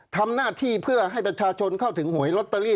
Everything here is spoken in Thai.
ทำหน้าที่เพื่อให้ประชาชนเข้าถึงหวยลอตเตอรี่